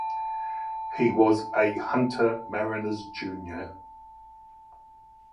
He was a Hunter Mariners junior.